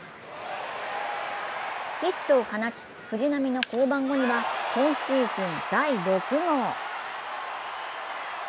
ヒットを放ち、藤浪の降板後には今シーズン第６号。